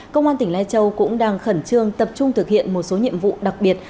công an tỉnh lai châu cũng đang khẩn trương tập trung thực hiện một số nhiệm vụ đặc biệt